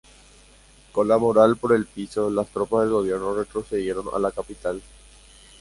Con la moral por el piso las tropas del gobierno retrocedieron a la capital.